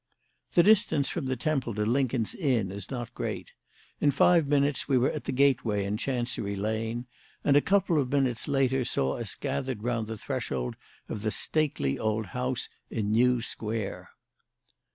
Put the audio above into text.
The distance from the Temple to Lincoln's Inn is not great. In five minutes we were at the gateway in Chancery Lane, and a couple of minutes later saw us gathered round the threshold of the stately old house in New Square.